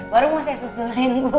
baru mau saya susulin bu